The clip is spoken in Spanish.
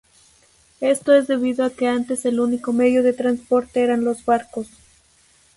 Esto es debido a que antes el único medio de transporte eran los barcos.